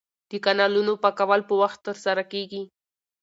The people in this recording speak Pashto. د کانالونو پاکول په وخت ترسره کیږي.